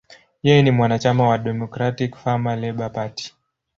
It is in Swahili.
Yeye ni mwanachama wa Democratic–Farmer–Labor Party.